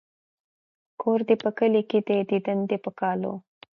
ـ کور دې په کلي کې دى ديدن د په کالو.